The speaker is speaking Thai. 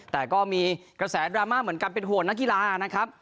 แต่ก็มีกระแสดราม่าเหมือนกันเป็นห่วงนักกีฬานะครับ